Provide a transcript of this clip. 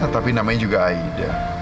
tapi namanya juga aida